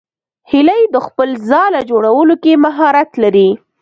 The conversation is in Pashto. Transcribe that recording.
هیلۍ د خپل ځاله جوړولو کې مهارت لري